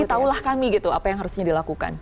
kasih taulah kami gitu apa yang harusnya dilakukan